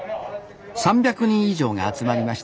３００人以上が集まりました